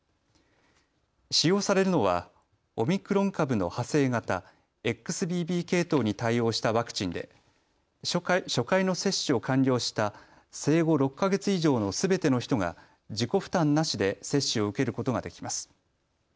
使用されるのはオミクロン株の派生型ＸＢＢ系統に対応したワクチンで初回の接種を完了した生後６か月以上のすべての人が自己負担なしで接種を受けることができます。